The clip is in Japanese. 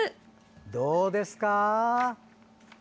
どうですか？